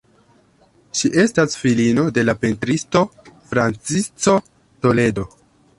Ŝi estas filino de la pentristo Francisco Toledo.